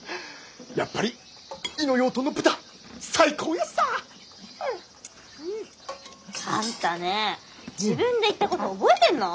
やっぱり猪野養豚の豚最高ヤッサー！あんたねぇ自分で言ったこと覚えてんの？